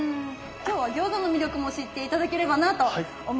今日は餃子の魅力も知って頂ければなと思います。